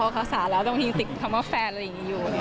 อ๋อคาสาแล้วตอนนี้ติดคำว่าแฟนอะไรอยู่